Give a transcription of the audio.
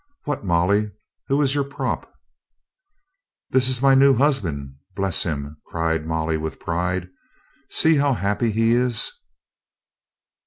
"What, Molly ! Who is your prop ?" "This is my new husband, bless him !" cried Mol ly with pride. "See how happy he is!"